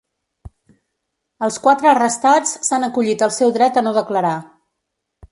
Els quatre arrestats s’han acollit al seu dret a no declarar.